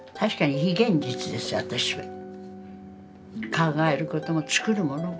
考えることも作るものも。